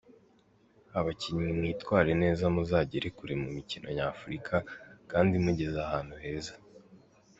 Abakinnyi mwitware neza muzagere kure mu mikino Nyafurika kandi mugeze ahantu heza.